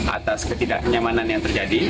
atas ketidaknyamanan yang terjadi